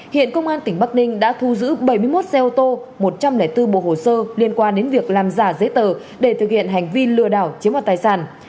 hiện công an tỉnh bắc ninh đã thu giữ bảy mươi một xe ô tô một trăm linh bốn bộ hồ sơ liên quan đến việc làm giả giấy tờ để thực hiện hành vi lừa đảo chiếm đoạt tài sản